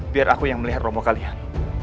biar aku yang melihat romo kalian